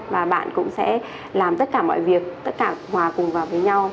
và bạn cũng sẽ làm tất cả mọi việc tất cả hòa cùng vào với nhau